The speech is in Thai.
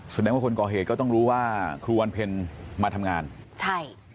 แสดงว่าคนก่อเหตุก็ต้องรู้ว่าครูวันเพ็ญมาทำงานใช่